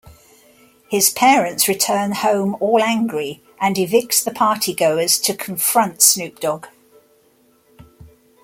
His parents return home all angry and evicts the partygoers to confront Snoop Dogg.